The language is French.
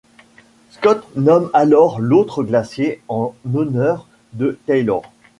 Scott nomme alors l'autre glacier en honneur de Taylor.